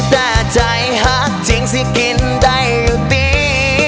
ฮักจริงสิกินได้อยู่ตี